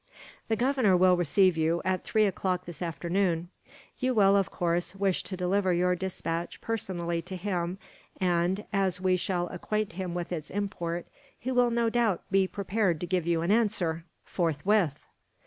"The Governor will receive you, at three o'clock this afternoon. You will, of course, wish to deliver your despatch personally to him and, as we shall acquaint him with its import, he will no doubt be prepared to give you an answer, forthwith."